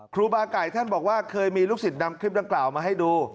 ครูบาไก่ท่านบอกว่าเคยมีลูกศิษย์นำคลิปดังกล่าวมาให้ดู